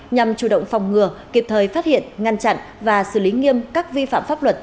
nhằm chủ động phòng ngừa kịp thời phát hiện ngăn chặn và xử lý nghiêm các vi phạm pháp luật